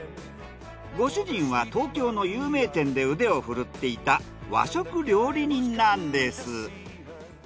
ご主人は東京の有名店で腕を振るっていた和食料理人なんです。